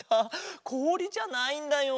こおりじゃないんだよ。